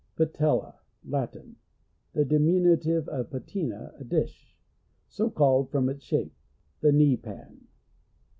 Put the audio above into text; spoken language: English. Pateila. — Latin. (The diminutive of patina, a dish, so called from its shape.) The knee pan.